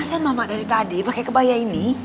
iya kepanasan mama dari tadi pakai kebaya ini